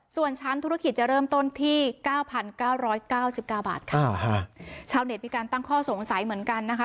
ส่วนชั้นธุรกิจจะเริ่มต้นที่๙๙๙๙บาทค่ะชาวเน็ตมีการตั้งข้อสงสัยเหมือนกันนะคะ